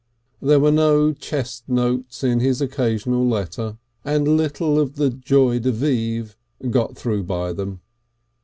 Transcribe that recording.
There were no chest notes in his occasional letters, and little of the "Joy de Vive" got through by them.